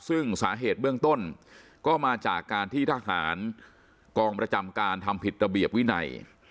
ซึ่งสาเหตุเบื้องต้นก็มาจากการที่ทหารกองประจำการทำผิดระเบียบวินัย